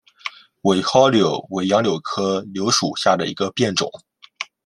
伪蒿柳为杨柳科柳属下的一个变种。